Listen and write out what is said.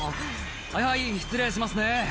「はいはい失礼しますね」